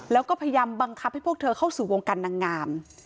แล้วก็พยายามบังคับให้พวกเธอเข้าสู่วงการนางงาม